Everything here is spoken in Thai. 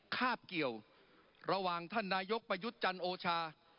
คาบเกี่ยวระหว่างท่านนายกประยุทธ์จันทร์โอชา